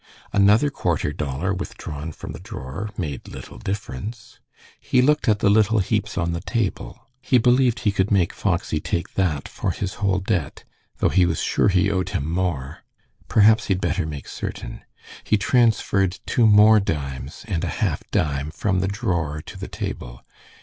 Another quarter dollar withdrawn from the drawer made little difference. He looked at the little heaps on the table. He believed he could make Foxy take that for his whole debt, though he was sure he owed him more. Perhaps he had better make certain. He transferred two more dimes and a half dime from the drawer to the table.